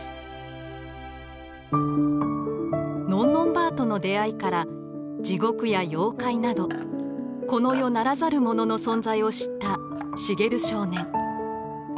のんのんばあとの出会いから地獄や妖怪などこの世ならざるものの存在を知った茂少年。